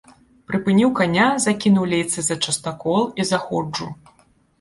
Прыпыніў каня, закінуў лейцы за частакол і заходжу.